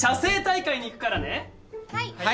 はい。